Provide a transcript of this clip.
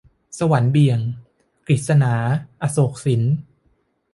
สวรรค์เบี่ยง - กฤษณา อโศกสิน